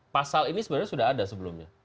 pasal ini sebenarnya sudah ada sebelumnya